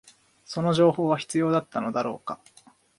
その情報は必要だったのだろうか